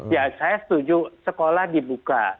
ya saya setuju sekolah dibuka